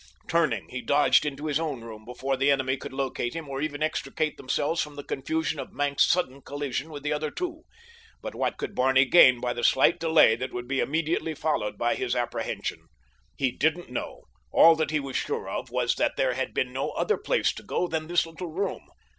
Turning, he dodged into his own room before the enemy could locate him or even extricate themselves from the confusion of Maenck's sudden collision with the other two. But what could Barney gain by the slight delay that would be immediately followed by his apprehension? He didn't know. All that he was sure of was that there had been no other place to go than this little room.